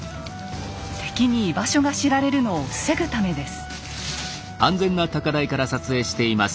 敵に居場所が知られるのを防ぐためです。